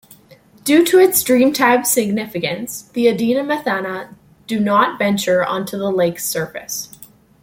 Due to its Dreamtime significance the Adnyamathanha do not venture onto the lake's surface.